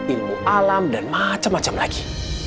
ilmu alam dan macem macem lagi